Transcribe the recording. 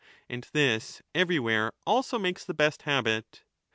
And this everywhere also makes the best habit.